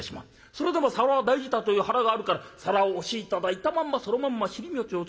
それでも皿は大事だという腹があるから皿を押し頂いたまんまそのまんま尻餅をつく。